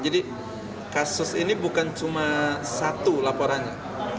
jadi kasus ini bukan cuma satu laporannya